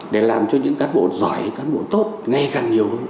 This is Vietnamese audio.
để làm cho những cán bộ giỏi cán bộ tốt ngay càng nhiều